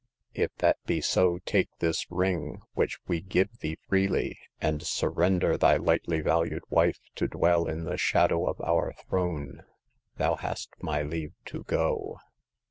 If that be so, take this ring, which Ave give thee freely, and surrender thy lightly valued wife to dw^ell in the shadow of our throne. Thou hast my leave to go.